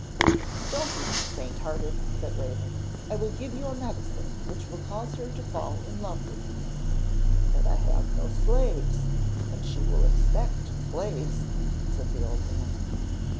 'Don't be so faint hearted,' said Raven, 'I will give you a medicine which will cause her to fall in love with you.' 'But I have no slaves, and she will expect slaves,' said the old man.